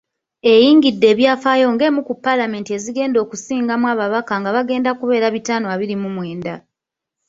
Eyingidde ebyafaayo ng’emu ku Paalamenti ezigenda okusingamu ababaka nga bagenda kubeera bitaano abiri mu mwenda..